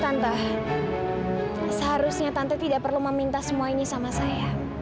tante seharusnya tante tidak perlu meminta semua ini sama saya